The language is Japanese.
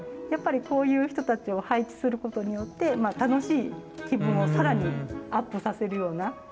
やっぱりこういう人たちを配置することによって楽しい気分を更にアップさせるような。